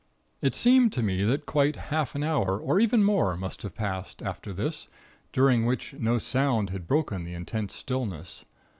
"It seemed to me that quite half an hour, or even more, must have passed, after this, during which no sound had broken the intense stillness.